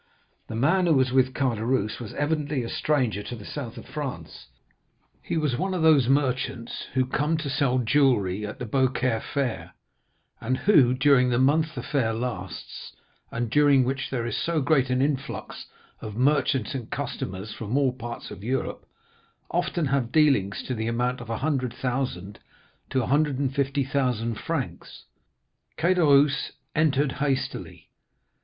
The man who was with Caderousse was evidently a stranger to the South of France; he was one of those merchants who come to sell jewellery at the Beaucaire fair, and who during the month the fair lasts, and during which there is so great an influx of merchants and customers from all parts of Europe, often have dealings to the amount of 100,000 to 150,000 francs. Caderousse entered hastily.